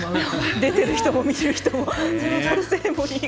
出てる人も、見てる人も。